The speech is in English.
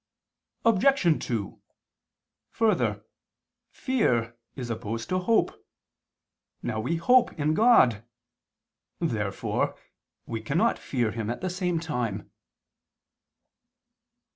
Obj. 2: Further, fear is opposed to hope. Now we hope in God. Therefore we cannot fear Him at the same time.